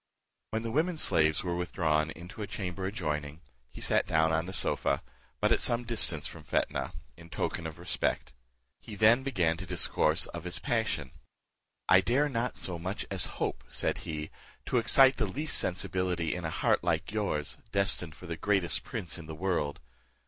When the women slaves were withdrawn into a chamber adjoining, he sat down on the sofa, but at some distance from Fetnah, in token of respect. He then began to discourse of his passion. "I dare not so much as hope," said he, "to excite the least sensibility in a heart like yours, destined for the greatest prince in the world.